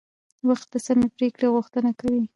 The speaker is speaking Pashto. وخت د سمې پریکړې غوښتنه کوي